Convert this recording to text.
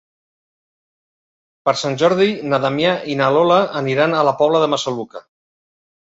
Per Sant Jordi na Damià i na Lola aniran a la Pobla de Massaluca.